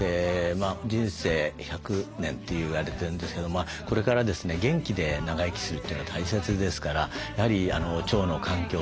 人生１００年って言われてるんですけどこれからですね元気で長生きするというのは大切ですからやはり腸の環境を整える。